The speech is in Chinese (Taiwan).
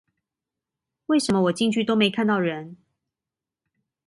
為什麼我進去都沒看到人